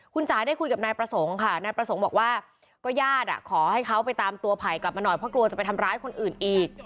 คุณจ๋าได้คุยกับนายประสงค์ค่ะนายประสงค์บอกว่าก็ญาติขอให้เขาไปตามตัวไผ่กลับมาหน่อยเพราะกลัวจะไปทำร้ายคนอื่นอีก